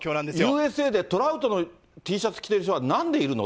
ＵＳＡでトラウトのＴシャツ着てる人はなんでいるの？